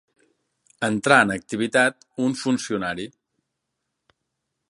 Entrar en activitat un funcionari.